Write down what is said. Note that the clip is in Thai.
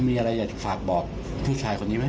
มีอะไรอยากฝากบอกผู้ชายคนนี้ไหม